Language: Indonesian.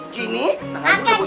gini malah campik